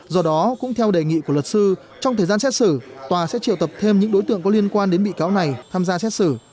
do đó cũng theo đề nghị của luật sư trong thời gian xét xử tòa sẽ triệu tập thêm những đối tượng có liên quan đến bị cáo này tham gia xét xử